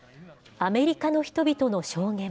アメリカの人々の証言。